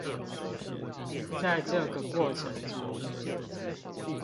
在這個過程中